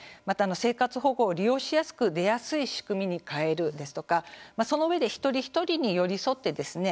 生活保護を利用しやすく出やすい仕組みに変えるですとかそのうえで一人一人に寄り添ってですね